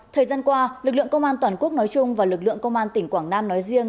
thời gian qua lực lượng công an toàn quốc nói chung và lực lượng công an tỉnh quảng nam nói riêng